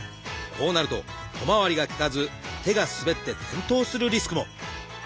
こうなると小回りが利かず手が滑って転倒するリスクも。